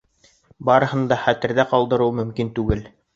Барыһын да хәтерҙә ҡалдырыу мөмкин түгел.